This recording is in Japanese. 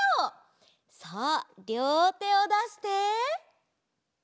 さありょうてをだして。